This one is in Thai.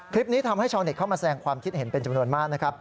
คลิปนี้ทำให้ชาวเน็ตเข้ามาแสดงความคิดเห็นเป็นจำนวนมากนะครับ